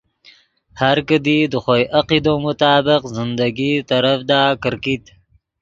ہر کیدی دے خوئے عقیدو مطابق زندگی ترڤدا کرکیت